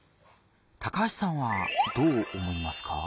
高橋さんはどう思いますか？